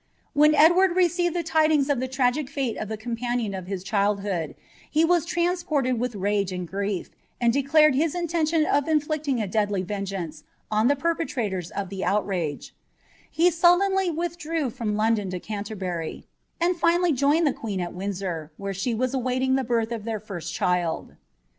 When Edward received the tidings of the tragic fate of the con" of his childhood, he was transported with rage and grief, and di. his intention of inflicting a deadly vcngemice on Ihe perpelruors el A outrage. He sullenly wiilidrew from London to Cauterbury, wmI Cr^ joined the queen at Windsor, where she was awaiting the birth of M first child.